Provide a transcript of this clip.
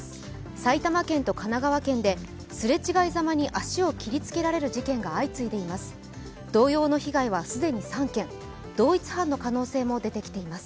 埼玉県と神奈川県ですれちがいざまに足を切りつけられる事件が相次いでいます。